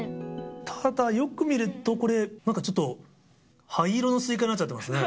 ただ、よく見るとこれ、なんかちょっと、灰色のスイカになっちゃってますね。